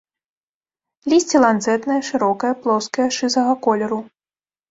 Лісце ланцэтнае, шырокае, плоскае, шызага колеру.